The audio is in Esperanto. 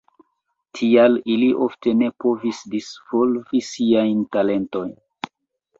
Tial ili ofte ne povis disvolvi siajn talentojn.